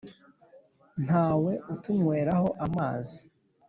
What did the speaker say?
Ntawe utunywera ho amazi